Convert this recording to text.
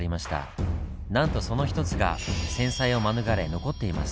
なんとその一つが戦災を免れ残っています。